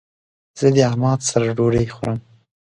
زه د عماد سره ډوډی خورم